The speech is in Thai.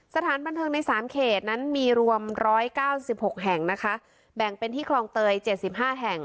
สถานบันเทิงในสามเขตนั้นมีรวมร้อยเก้าสิบหกแห่งนะคะแบ่งเป็นที่คลองเตยเจ็ดสิบห้าแห่ง